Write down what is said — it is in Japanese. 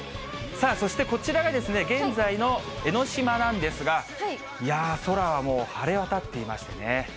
そしてこちらが現在の江の島なんですが、いやー、空はもう晴れ渡っていましてね。